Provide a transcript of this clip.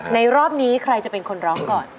รอบนี้ใครจะเป็นคนร้องก่อน